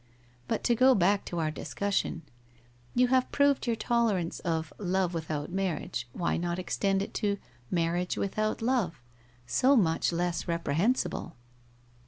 ... But to go back to our discussion. ... You have proved your tolerance of Love with out Marriage, why not extend it to Marriage without Love — so much less reprehensible